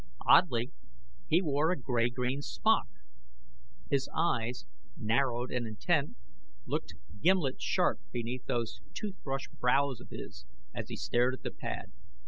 Oddly, he wore a gray green smock. His eyes, narrowed and intent, looked gimlet sharp beneath those toothbrush brows of his, as he stared at the pad.